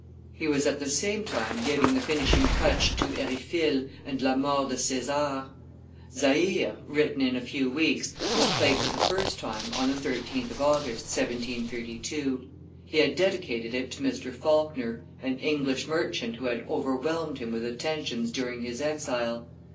_ he was at the same time giving the finishing touch to Eriphyle and La Mort de Caesar. Zaire, written in a few weeks, was played for the first time on the 13th of August, 1732; he had dedicated it to Mr. Falkner, an English merchant who had overwhelmed him with attentions during his exile.